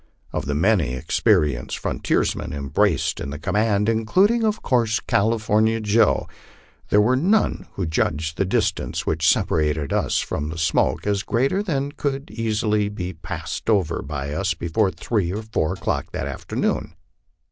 Of the many experienced frontiermen embraced in the command, including of course California Joe, there were none who judged the distance which separated us from the smoke as greater than could be easily passed over by us before three or four o'clock that afternoon.